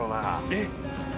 えっ！